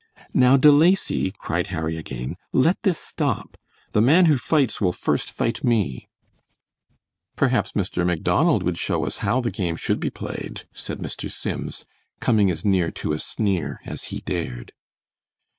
"Now, De Lacy," cried Harry, again, "let this stop. The man who fights will first fight me!" "Perhaps Mr. Macdonald would show us how the game should be played," said Mr. Sims, coming as near to a sneer as he dared.